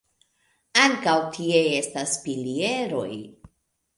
Ankaŭ tie estas pilieroj.